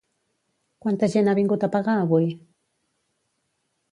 Quanta gent ha vingut a pagar avui?